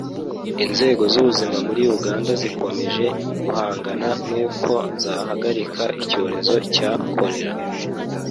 Inzego z’ubuzima muri Uganda zikomeje guhangana n’uko zahagarika icyorezo cya Cholera